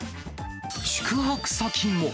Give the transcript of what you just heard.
宿泊先も。